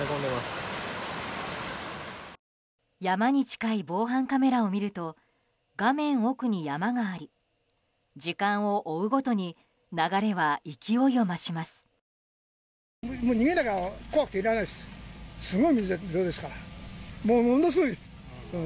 山に近い防犯カメラを見ると画面奥に山があり時間を追うごとに流れは勢いを増します。